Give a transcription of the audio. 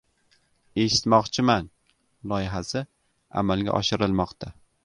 “Eshitmoqchiman!” loyihasi amalga oshirilmoqda